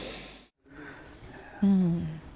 อืม